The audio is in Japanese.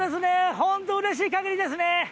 本当うれしいかぎりですね。